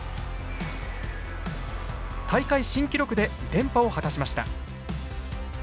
大会新記録で連覇を果たしました。